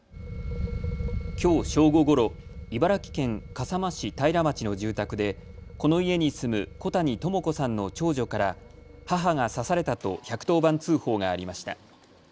きょう正午ごろ、茨城県笠間市平町の住宅でこの家に住む小谷朋子さんの長女から母が刺されたと１１０番通報がありました。